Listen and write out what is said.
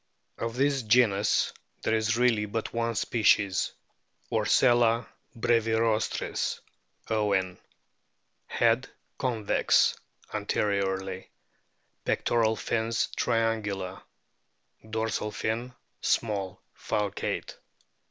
Of this genus there is really but one species, Orcella brevirostris, Owen.* Head convex anteriorly. Pectoral fins triangular ; dorsal fin small, falcate.